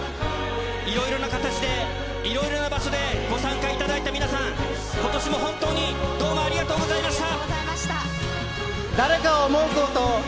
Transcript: いろいろな形で、いろいろな場所でご参加いただいた皆さん、ことしも本当にどうもありがとうございました。